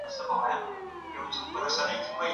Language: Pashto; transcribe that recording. خلاصیږو د ښکاریانو